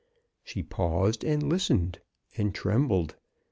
She paused, and listened, and trembled.